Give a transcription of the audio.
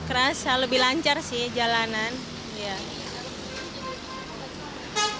kerasa lebih lancar sih jalanan